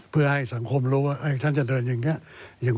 เพื่อให้สังคมรู้ว่าท่านจะเดินอย่างนี้